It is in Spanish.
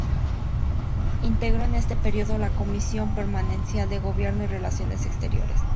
Integró en este período la Comisión permanente de Gobierno y Relaciones Exteriores.